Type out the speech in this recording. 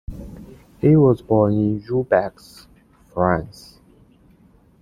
He was born in Roubaix, France.